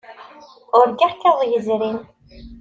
Urgaɣ-k iḍ yezrin.